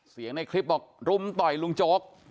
เนี่ยเห็นไหมคลิปออกรุมต่อยลุงโจ๊ก